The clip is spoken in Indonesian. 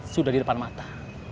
sudah di depan mata